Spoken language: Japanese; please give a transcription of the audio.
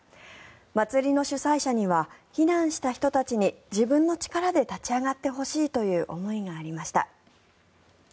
祭りの主催者には避難した人たちに自分の力で立ち上がってほしいという思いがありました。